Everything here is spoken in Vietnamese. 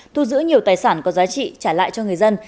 thu giữ nhiều tài sản có giá trị trả lại cho người dân